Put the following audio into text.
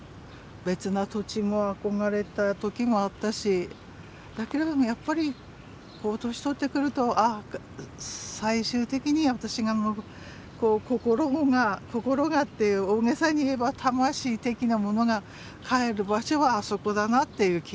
別な土地も憧れた時があったしだけれどもやっぱり年取ってくるとああ最終的に私が心がって大げさに言えば魂的なものが帰る場所はあそこだなっていう気がする場所。